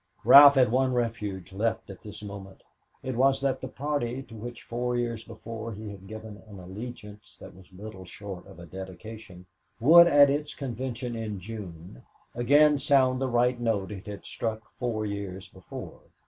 Ralph had one refuge left at this moment. It was that the party, to which four years before he had given an allegiance that was little short of a dedication, would at its convention in June again sound the high note it had struck four years before.